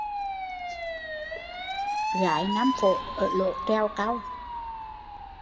Gái Nam Phổ ở lỗ trèo cau